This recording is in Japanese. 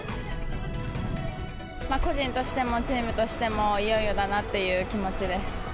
個人としてもチームとしても、いよいよだなっていう気持ちです。